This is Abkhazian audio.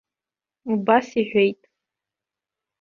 Убас иҳәеит!